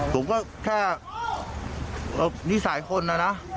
ผมก็แค่นิสัยคนนะนะ